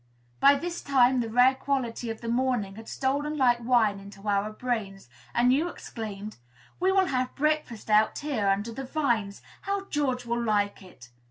By this time the rare quality of the morning had stolen like wine into our brains, and you exclaimed, "We will have breakfast out here, under the vines! How George will like it!"